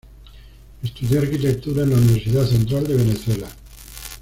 Estudió Arquitectura en la Universidad Central de Venezuela.